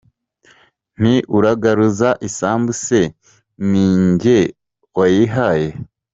Nti uragaruza isambu se ninjye wayihaye ?